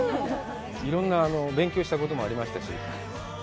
いろんな勉強したこともありましたし。